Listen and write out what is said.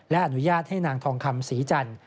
และอนุญาตให้นางทองคำศรีจันทร์